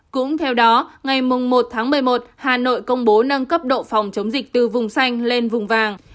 cũng theo đó ngày một tháng một mươi một hà nội công bố nâng cấp độ phòng chống dịch từ vùng xanh lên vùng vàng